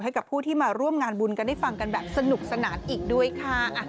ให้กับผู้ที่มาร่วมงานบุญกันได้ฟังกันแบบสนุกสนานอีกด้วยค่ะ